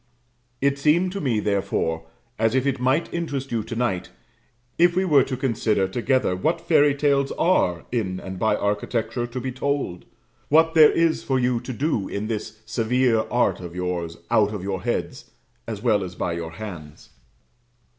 It seemed to me, therefore, as if it might interest you to night, if we were to consider together what fairy tales are, in and by architecture, to be told what there is for you to do in this severe art of yours "out of your heads," as well as by your hands.